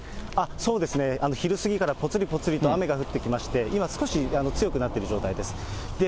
そうですね、昼過ぎからぽつりぽつりと雨が降ってきまして、今少し強くなっている状態です。